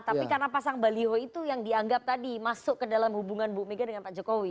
tapi karena pasang baliho itu yang dianggap tadi masuk ke dalam hubungan bu mega dengan pak jokowi